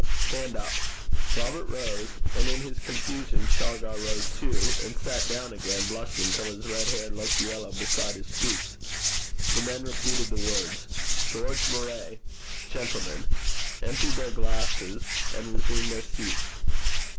Stand up.' Robert rose, and in his confusion Shargar rose too, and sat down again, blushing till his red hair looked yellow beside his cheeks. The men repeated the words, 'George Moray, Gentleman,' emptied their glasses, and resumed their seats.